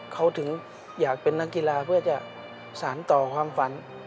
เขาถึงอยากเป็นนักกีฬาเพื่อจะสารต่อความฝัน